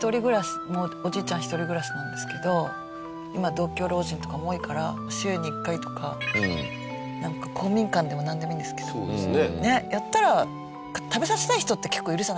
おじいちゃん一人暮らしなんですけど今独居老人とかも多いから週に１回とかなんか公民館でもなんでもいいんですけどやったら食べさせたい人って結構いるじゃないですか。